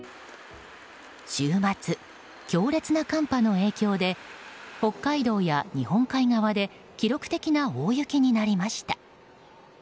週末、強烈な寒波の影響で北海道や日本海側で記録的な大雪になりました。